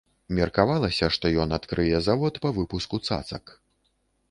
Меркавалася, што ён адкрые завод па выпуску цацак.